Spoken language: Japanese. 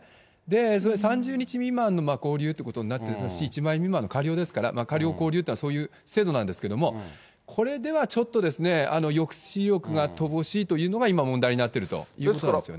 それ、３０日未満の拘留ということになってるし、１万円未満の科料ですから、科料拘留っていうのは、そういう制度なんですけれども、これではちょっとですね、抑止力が乏しいというのが、今、問題になっているということなんですよ